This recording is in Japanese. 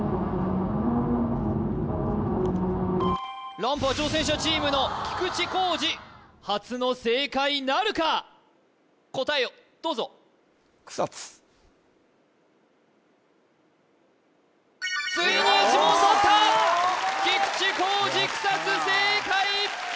ランプは挑戦者チームの菊地晃史初の正解なるか答えをどうぞついに１問とった菊地晃史草津正解